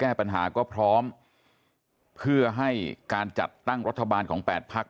แก้ปัญหาก็พร้อมเพื่อให้การจัดตั้งรัฐบาลของแปดพัก